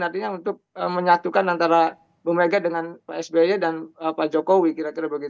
artinya untuk menyatukan antara bu mega dengan pak sby dan pak jokowi kira kira begitu